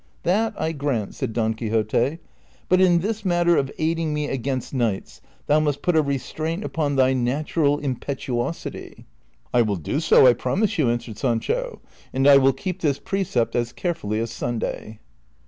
"■ That I grant," said Don Quixote, '' l)ut in this matter of aiding ine against knights thou must put a restraint u})()ii thy natural impetuosity." " I will do so, I promise you," answered Sancho, " and I will kee}) this precept as carefully as Sunday."